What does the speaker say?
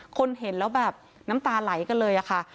คนเห็นแล้วแบบน้ำตาไหลกันเลยค่ะ